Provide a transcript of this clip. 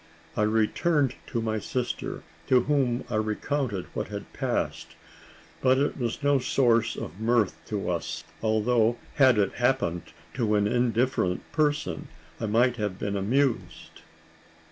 I returned to my sister, to whom I recounted what had passed; but it was no source of mirth to us, although had it happened to an indifferent person, I might have been amused.